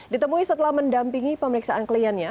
ditemui setelah mendampingi pemeriksaan kliennya